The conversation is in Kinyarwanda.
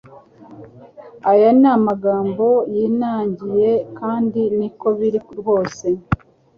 aya ni amagambo yinangiye kandi niko biri rwose